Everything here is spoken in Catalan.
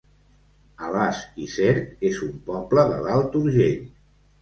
Alàs i Cerc es un poble de l'Alt Urgell